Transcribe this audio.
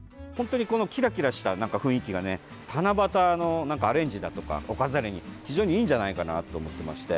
キラキラした雰囲気が七夕のアレンジだとかお飾りに非常にいいんじゃないかなと思ってまして。